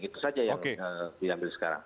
itu saja yang diambil sekarang